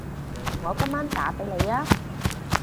我今晚打畀你吖